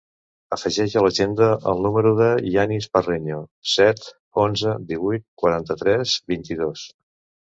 Afegeix a l'agenda el número del Yanis Parreño: set, onze, divuit, quaranta-tres, vint-i-dos.